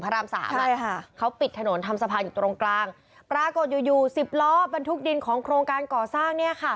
ปรากฏอยู่๑๐ล้อบรรทุกดินของโครงการก่อสร้าง